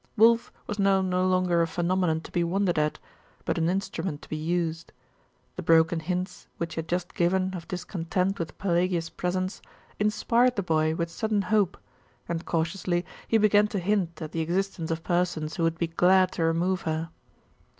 Wulf was now no longer a phenomenon to be wondered at, but an instrument to be used. The broken hints which he had just given of discontent with Pelagia's presence inspired the boy with sudden hope, and cautiously he began to hint at the existence of persons who would be glad to remove her.